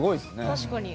確かに。